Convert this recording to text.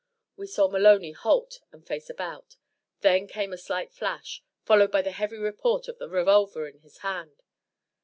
We saw Maloney halt and face about. Then came a slight flash, followed by the heavy report of the revolver in his hand.